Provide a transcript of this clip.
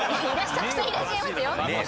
たくさんいらっしゃいますよ。